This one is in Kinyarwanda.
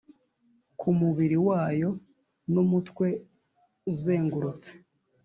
. ku mubiri wayo n’umutwe uzengurutse,